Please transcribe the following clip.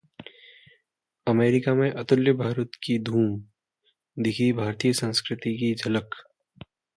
America में 'अतुल्य भारत' की धूम, दिखी भारतीय संस्कृति की झलक